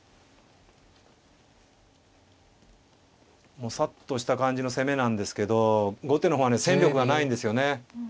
もさっとした感じの攻めなんですけど後手の方はね戦力がないんですよね。